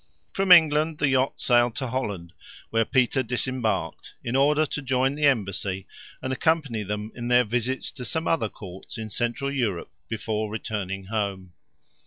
From England the yacht sailed to Holland, where Peter disembarked, in order to join the embassy and accompany them in their visits to some other courts in Central Europe before returning home.